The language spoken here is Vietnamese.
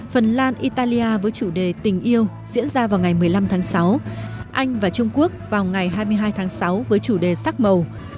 phần lan italia với chủ đề tình yêu diễn ra vào ngày một mươi năm tháng sáu anh và trung quốc vào ngày hai mươi hai tháng sáu với chủ đề sắc màu